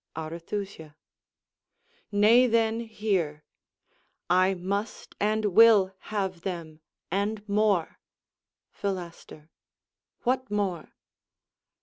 Arethusa Nay, then, hear: I must and will have them, and more Philaster What more?